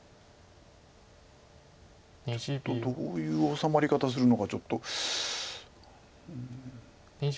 どういう治まり方するのかちょっと。